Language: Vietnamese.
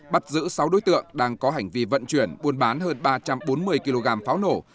bắt giữ sáu đối tượng đang có hành vi vận chuyển buôn bán hơn ba trăm bốn mươi kg pháo nổ